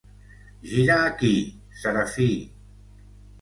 Gira aquí, Serafí!